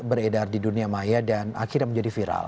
beredar di dunia maya dan akhirnya menjadi viral